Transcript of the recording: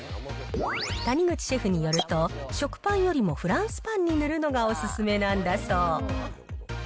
谷口シェフによると、食パンよりもフランスパンに塗るのがお勧めなんだそう。